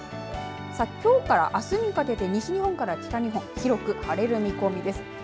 きょうからあすにかけて西日本から北日本広く晴れる見込みです。